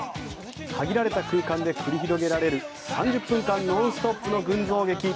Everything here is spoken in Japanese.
限られた空間で繰り広げられる３０分間ノンストップの群像劇。